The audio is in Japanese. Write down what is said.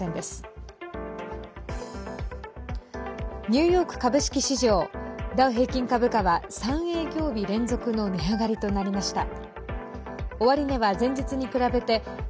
ニューヨーク株式市場ダウ平均株価は３営業日連続の値上がりとなりました。